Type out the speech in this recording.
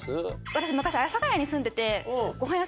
私昔阿佐谷に住んでて。